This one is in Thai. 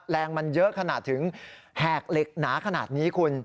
แรงมันเยอะขนาดถึงแหกเหล็กหนาขนาดนี้คุณ